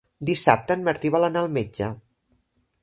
Dissabte en Martí vol anar al metge.